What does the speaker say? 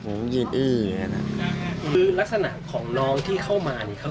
ผมยืนอื้ออย่างเงี้นะคือลักษณะของน้องที่เข้ามานี่เขา